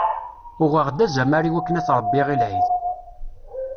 Uɣeɣ-d azamar iwakken ad t-rebbiɣ i lɛid.